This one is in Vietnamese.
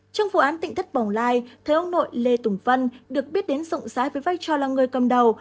trong vụ án tỉnh thất bồng lai thấy ông nội lê tùng vân được biết đến rộng rãi với vai trò là người cầm đầu